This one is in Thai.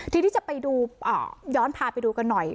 ทีนี้จะไปดูย้อนพาไปดูกันหน่อย